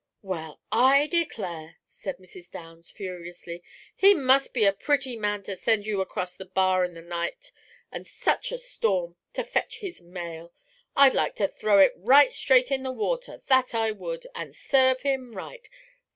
"Well, I declare!" cried Mrs. Downs, furiously. "He must be a pretty man to send you across the bar in the night and such a storm, to fetch his mail. I'd like to throw it right straight in the water, that I would, and serve him right.